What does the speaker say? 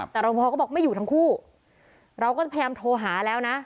แต่รองพอก็บอกไม่อยู่ทั้งคู่เราก็พยายามโทรหาแล้วนะ